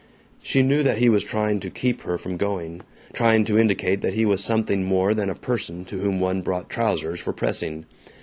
She knew that he was trying to keep her from going, trying to indicate that he was something more than a person to whom one brought trousers for pressing.